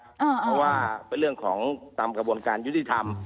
เพราะว่าเป็นเรื่องของตามกระบวนการยุติธรรม